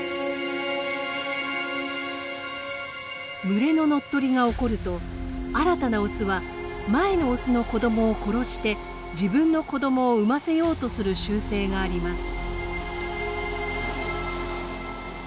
群れの乗っ取りが起こると新たなオスは前のオスの子どもを殺して自分の子どもを産ませようとする習性があります。